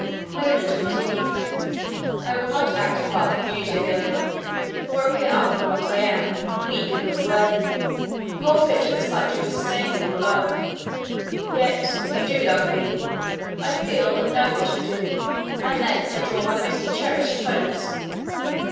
Raymond continued, "I will not act a part with you, dear girl, or appear other than what I am, weak and unworthy, more fit to excite your disdain than your love. Yet you do love me; I feel and know that you do, and thence I draw my most cherished hopes.